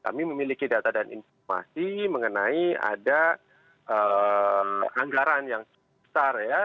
kami memiliki data dan informasi mengenai ada anggaran yang besar ya